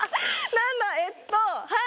なんだえっとはい！